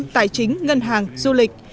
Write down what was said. tài chính ngân hàng du lịch